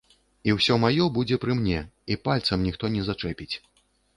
І ўсё маё будзе пры мне, і пальцам ніхто не зачэпіць.